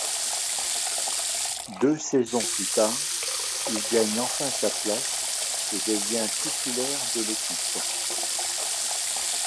Deux saisons plus tard, il gagne enfin sa place et devient titulaire de l'équipe.